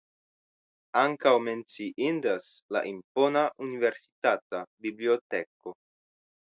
Ankaŭ menciindas la impona universitata biblioteko.